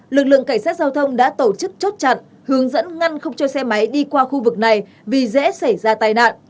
lực lượng cảnh sát giao thông đã tổ chức chốt chặn hướng dẫn ngăn không cho xe máy đi qua khu vực này vì dễ xảy ra tai nạn